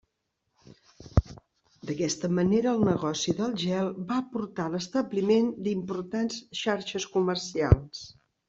D'aquesta manera el negoci del gel va portar a l'establiment d'importants xarxes comercials.